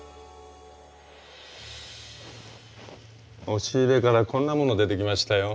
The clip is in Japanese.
押し入れからこんなもの出てきましたよ。